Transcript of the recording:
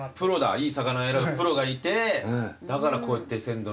いい魚を選ぶプロがいてだからこうやって鮮度のいいものが。